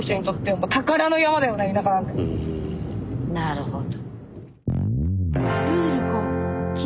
なるほど。